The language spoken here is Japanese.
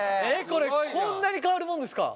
これこんなに変わるもんですか？